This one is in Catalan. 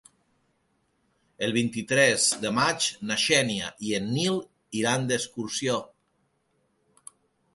El vint-i-tres de maig na Xènia i en Nil iran d'excursió.